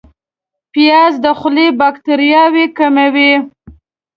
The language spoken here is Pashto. پیاز د خولې باکتریاوې کموي